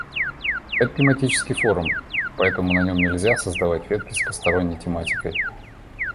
Это тематический форум, поэтому на нём нельзя создавать ветки с посторонней тематикой.